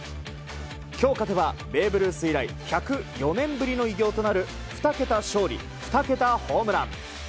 今日勝てばベーブ・ルース以来１０４年ぶりの偉業となる２桁勝利２桁ホームラン。